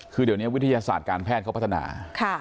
คือเดี๋ยวนี้วิทยาศาสตร์การแพทย์เขาพัฒนา